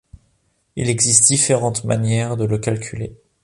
Il existe différentes manières de le calculer.